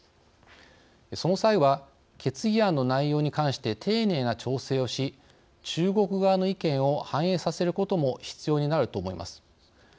その際は決議案の内容に関して丁寧な調整をし中国側の意見を反映させることも必要になると思います。